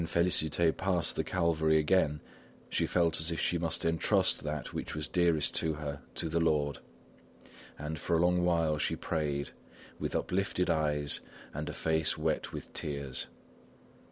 When Félicité passed the Calvary again, she felt as if she must entrust that which was dearest to her to the Lord; and for a long while she prayed, with uplifted eyes and a face wet with tears.